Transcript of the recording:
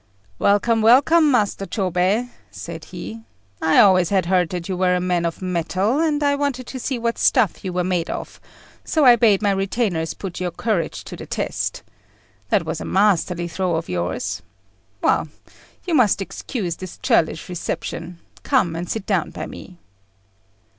"Welcome, welcome, Master Chôbei," said he. "I always had heard that you were a man of mettle, and I wanted to see what stuff you were made of; so I bade my retainers put your courage to the test. That was a masterly throw of yours. Well, you must excuse this churlish reception: come and sit down by me."